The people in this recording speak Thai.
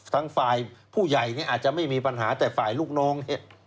ทางฝ่ายผู้ใหญ่เนี่ยอาจจะไม่มีปัญหาแต่ฝ่ายลูกน้องเนี่ย